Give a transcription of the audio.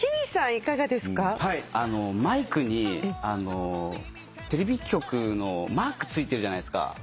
マイクにテレビ局のマーク付いてるじゃないですか。